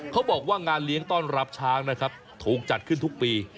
เขาบอกว่างานเลี้ยงต้อนรับช้างนะครับถูกจัดขึ้นทุกปี